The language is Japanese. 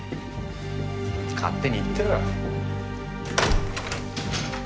勝手に言ってろ。